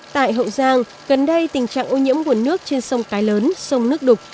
tại hậu giang gần đây tình trạng ô nhiễm nguồn nước trên sông cái lớn sông nước đục